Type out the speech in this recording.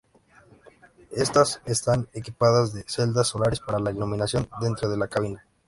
Éstas están equipadas de celdas solares para la iluminación dentro de la cabina.